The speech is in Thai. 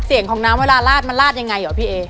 เสียงของน้ำเวลาลาดมันลาดยังไงเหรอพี่เอ